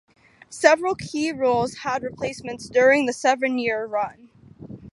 Several key roles had replacements during the seven-year run.